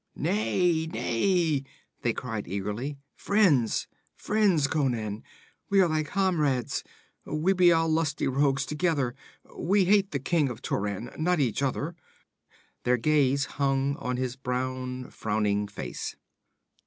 'Nay, nay!' they cried eagerly. 'Friends friends, Conan. We are thy comrades! We be all lusty rogues together. We hate the king of Turan, not each other.' Their gaze hung on his brown, frowning face.